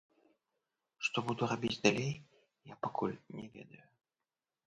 Што буду рабіць далей, я пакуль не ведаю.